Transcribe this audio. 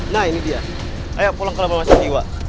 nah ini dia ayo pulang ke rumah sakit jiwa